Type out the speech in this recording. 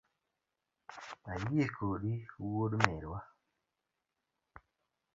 Ayie kodi wuod merwa